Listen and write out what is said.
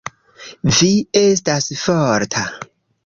Vi estas forta.